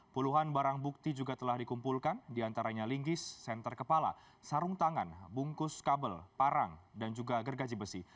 puluhan barang bukti juga telah dikumpulkan diantaranya linggis senter kepala sarung tangan bungkus kabel parang dan juga gergaji besi